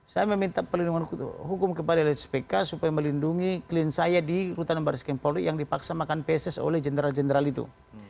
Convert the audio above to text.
saya meminta perlindungan hukum kepada lspk supaya melindungi klien saya di rutan baris krim polri yang dipaksa makan pss oleh jenderal jenderal itu